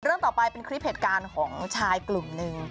เรื่องต่อไปเป็นคลิปเหตุการณ์ของชายกลุ่มหนึ่ง